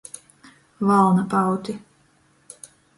Valna pauti.